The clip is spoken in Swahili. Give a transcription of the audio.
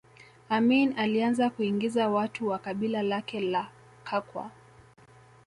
Amin alianza kuingiza watu wa kabila lake la Kakwa